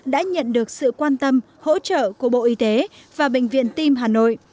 đã nhận được sự quan tâm hỗ trợ của bộ y tế và bệnh viện tim hà nội